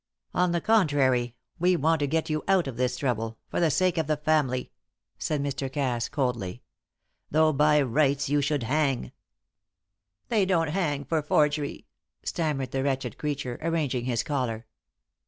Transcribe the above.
"On the contrary, we want to get you out of this trouble for the sake of the family," said Mr. Cass, coldly. "Though by rights you should hang." "They don't hang for forgery, stammered the wretched creature, arranging his collar.